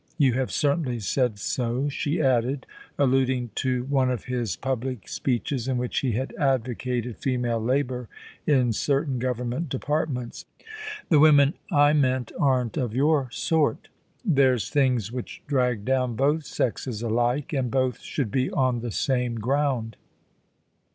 You have certainly said so,' she added, alluding to one of his public speeches in which he had advocated female labour in certain Government departments. * The women I meant aren't of your sort There's things which drag down both sexes alike, and both should be on the same ground.